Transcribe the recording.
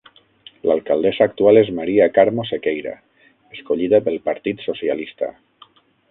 L'alcaldessa actual és Maria Carmo Sequeira, escollida pel Partit Socialista.